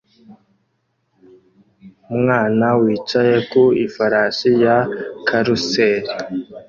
Umwana wicaye ku ifarashi ya karuseli